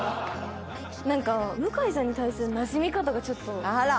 なんか向さんに対するなじみ方がちょっと。